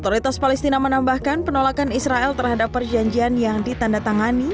otoritas palestina menambahkan penolakan israel terhadap perjanjian yang ditandatangani